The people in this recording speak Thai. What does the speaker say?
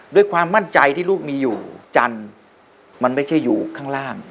ด้วยความมั่นใจที่ลูกมีอยู่จันทร์มันไม่ใช่อยู่ข้างล่าง